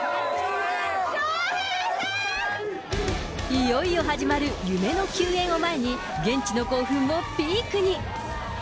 いよいよ始まる夢の球宴を前に、現地の興奮もピークに。